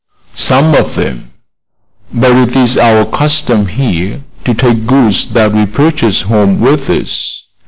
"Some of them. But it is our custom here to take goods that we purchase home with us.